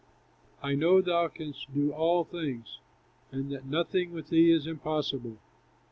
"I know thou canst do all things, And that nothing with thee is impossible.